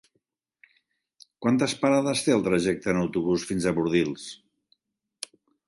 Quantes parades té el trajecte en autobús fins a Bordils?